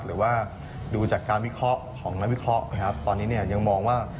หรือว่าดูจากการวิเคราะห์ของนักวิเคราะห์นะครับตอนนี้เนี่ยยังมองว่า